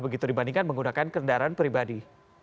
begitu dibandingkan menggunakan kendaraan pribadi